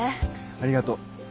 ありがとう。